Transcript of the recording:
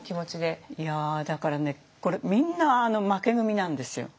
だからねこれみんな負け組なんですよ。